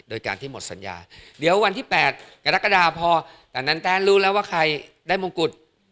โดยการที่หมดสัญญาเดี๋ยววันที่๘กรกฎาพอตอนนั้นแต๊ะรู้แล้วว่าใครได้มงกุฎ